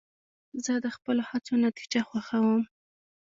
زه د خپلو هڅو نتیجه خوښوم.